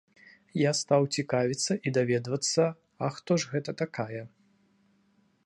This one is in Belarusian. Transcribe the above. Я стаў цікавіцца і даведвацца, а хто ж гэта такая.